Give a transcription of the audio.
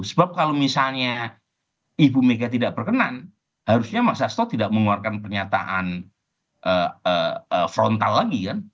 sebab kalau misalnya ibu mega tidak berkenan harusnya mas hasto tidak mengeluarkan pernyataan frontal lagi kan